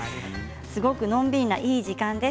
すごくのんびりないい時間です。